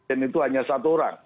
ini hanya satu orang